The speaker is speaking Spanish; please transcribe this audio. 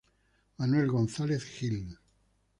Manuel Gonzalez Gil.